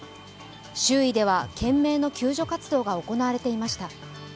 周囲では懸命の救助活動が行われていました。